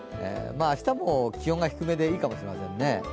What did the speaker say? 明日も気温が低めで、いいかもしれませんね。